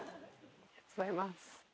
ありがとうございます。